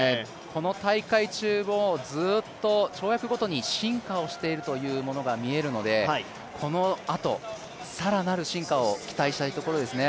この大会中もずっと跳躍ごとに進化をしているというものが見えるのでこのあと、更なる進化を期待したいところですね。